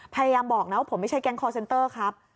พยายามบอกนะว่าผมไม่ใช่แก๊งคอร์เซ็นเตอร์ครับ